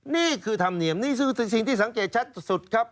นี่คือธรรมเนียมนี่คือสิ่งที่สังเกตชัดสุดครับ